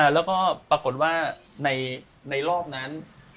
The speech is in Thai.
แล้วก็ปรากฏว่าในรอบนั้น